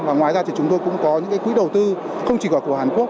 và ngoài ra thì chúng tôi cũng có những quỹ đầu tư không chỉ của hàn quốc